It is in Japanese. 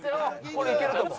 これいけると思う。